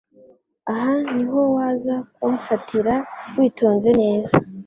aha nihowaza ku nfatira witonze neza